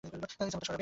ইচ্ছে মত সরাবে?